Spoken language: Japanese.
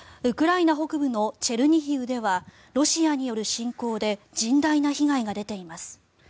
ウクライナ北部のチェルニヒウではロシアによる侵攻で甚大な被害が出ています。